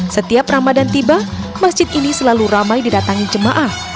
setiap ramadan tiba masjid ini selalu ramai didatangi jemaah